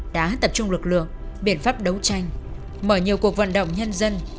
đã tập trung lực lượng biện pháp đấu tranh mở nhiều cuộc vận động nhân dân